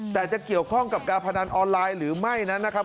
แต่จะเกี่ยวข้องกับการพนันออนไลน์หรือไม่นั้นนะครับ